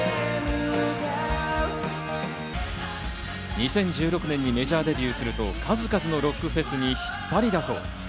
２０１６年にメジャーデビューすると、数々のロックフェスに引っ張りだこ。